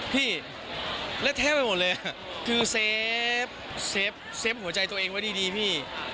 พี่และแทบไปหมดเลยคือเซฟหัวใจตัวเองไว้ดีพี่